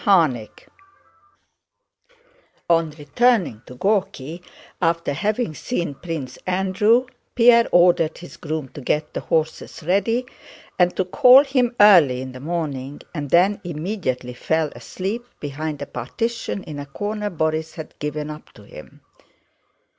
CHAPTER XXX On returning to Górki after having seen Prince Andrew, Pierre ordered his groom to get the horses ready and to call him early in the morning, and then immediately fell asleep behind a partition in a corner Borís had given up to him.